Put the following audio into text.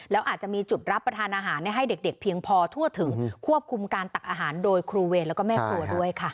แล้วอาจจะมีจุดรับประทานอาหารให้เด็กเพียงพอทั่วถึงควบคุมการตักอาหารโดยครูเวรแล้วก็แม่ครัวด้วยค่ะ